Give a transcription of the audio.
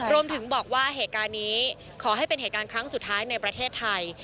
รวมถึงบอกว่าเหตุการณ์นี้ขอให้เป็นเหตุการณ์ครั้งสุดท้ายในประเทศไทย